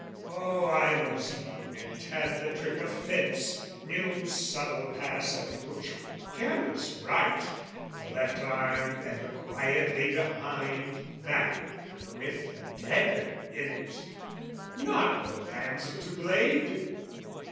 Oh, I was young and had the trick of fence, Knew subtle pass and push with careless right The left arm ever quietly behind back With the dagger in 't: not both hands to blade!